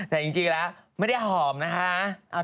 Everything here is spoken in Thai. แต่จริงแล้วไม่ได้หอมนะคะ